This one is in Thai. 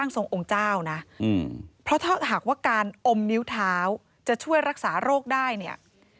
ถ้าถามว่าการอมนิ้วเท้าจะช่วยรักษาโรคได้